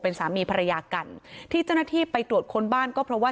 เป็นสามีภรรยากันที่เจ้าหน้าที่ไปตรวจค้นบ้านก็เพราะว่า